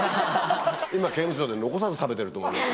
今刑務所で残さず食べてると思いますよ。